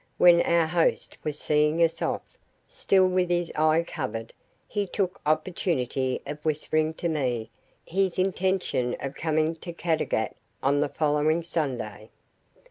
When our host was seeing us off still with his eye covered he took opportunity of whispering to me his intention of coming to Caddagat on the following Sunday.